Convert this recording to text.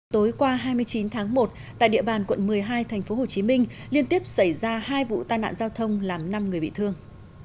tối qua hai mươi chín tháng một tại địa bàn quận một mươi hai tp hcm liên tiếp xảy ra hai vụ tai nạn giao thông làm năm người bị thương